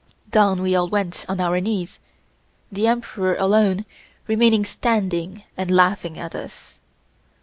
Down we all went on our knees, the Emperor alone remaining standing and laughing at us.